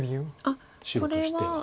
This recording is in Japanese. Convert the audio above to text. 白としては。